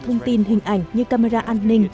thông tin hình ảnh như camera an ninh